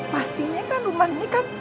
pastinya kan rumah ini kan